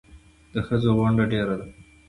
د ښځو ونډه ډېره ده